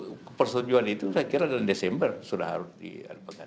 iya tapi memang persetujuan itu saya kira dalam desember sudah harus diadakan